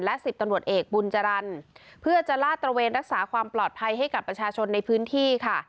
และ๑๐ตำรวจเอกบุญจรรย์เพื่อจะลาดตระเวนรักษาความปลอดภัยให้กับประชาชนในพื้นที่ค่ะ